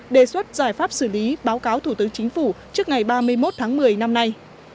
đề xuất giải pháp xử lý báo cáo thủ tướng chính phủ trước ngày ba mươi một tháng một mươi năm nay